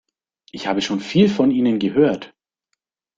Ich habe schon viel von Ihnen gehört.